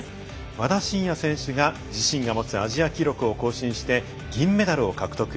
和田伸也選手が自身が持つアジア記録を更新して銀メダルを獲得。